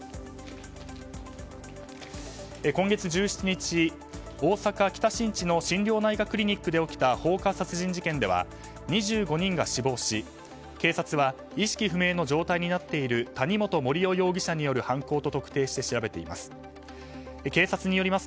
今月１７日大阪・北新地の心療内科クリニックで起きた放火殺人事件では２５人が死亡し、警察は意識不明の状態になっている谷本盛雄容疑者による犯行と特定して調べています。